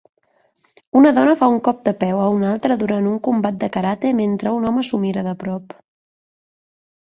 Una dona fa un cop de peu a una altra durant un combat de karate mentre un home s'ho mira de prop.